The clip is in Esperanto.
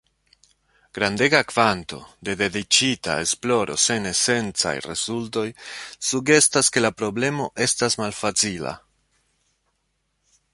Grandega kvanto de dediĉita esploro sen esencaj rezultoj sugestas ke la problemo estas malfacila.